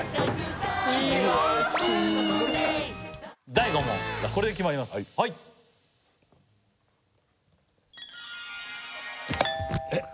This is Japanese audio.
第５問これで決まりますラストえっ？